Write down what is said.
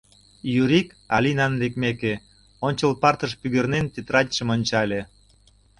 Юрик, Алинан лекмеке, ончыл партыш пӱгырнен, тетрадьшым ончале.